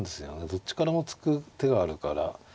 どっちからも突く手があるから。